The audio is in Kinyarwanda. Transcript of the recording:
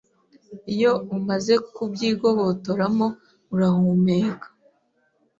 Iyo umaze kubyigobotoramo urahumeka